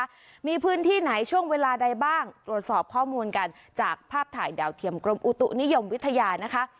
ว่ามีพื้นที่ไหนช่วงเวลาใดบ้างตรวจสอบข้อมูลกันจากภาพถ่ายดาวเทียมกรมอุตุนิยมวิทยานะคะ